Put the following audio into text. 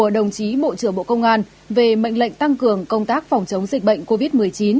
đồng chí bộ trưởng bộ công an về mệnh lệnh tăng cường công tác phòng chống dịch bệnh covid một mươi chín